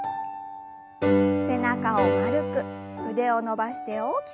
背中を丸く腕を伸ばして大きく後ろ。